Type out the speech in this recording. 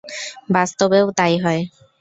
বাস্তবেও তাই হয়।